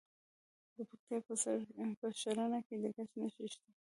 د پکتیکا په ښرنه کې د ګچ نښې شته.